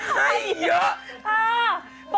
ให้เยอะ